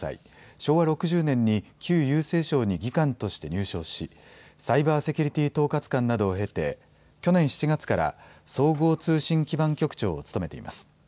昭和６０年に旧郵政省に技官として入省しサイバーセキュリティ統括官などを経て、去年７月から総合通信基盤局長を務めています。